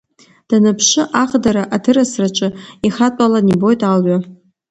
Даныԥшы, аӷдара аҭырасраҿы ихатәалан ибот алҩа.